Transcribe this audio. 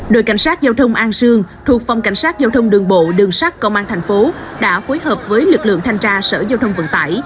đội cảnh sát giao thông an sương thuộc phòng cảnh sát giao thông đường bộ đường sát công an thành phố đã phối hợp với lực lượng thanh tra sở giao thông vận tải